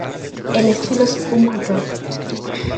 El estilo es punk-rock.